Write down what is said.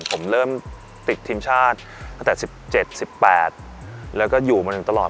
ผมเริ่มติดทีมชาติจาก๑๗๑๘และอยู่มาถึงตลอด